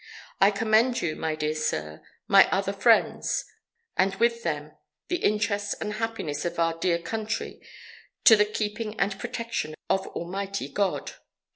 "I commend you, my dear sir, my other friends, and with them the interests and happiness of our dear Country, to the keeping and protection of Almighty God.